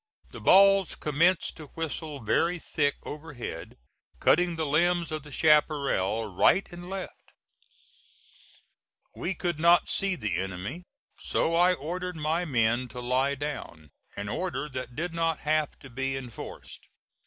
The balls commenced to whistle very thick overhead, cutting the limbs of the chaparral right and left. We could not see the enemy, so I ordered my men to lie down, an order that did not have to be enforced.